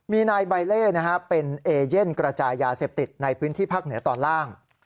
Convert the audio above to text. มีนายใบเล่เป็นเอเย่นกระจายยาเสพติดในพื้นที่ภาคเหนือตอนล่าง